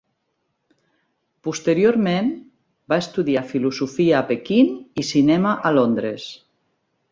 Posteriorment, va estudiar filosofia a Pequín i cinema a Londres.